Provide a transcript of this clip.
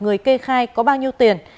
người kê khai có bao nhiêu tiền